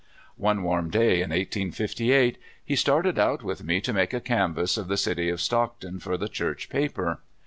One warm day in 1858 he started out with me to make a canvass of the city of Stockton for the Church paper.